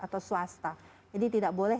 atau swasta jadi tidak boleh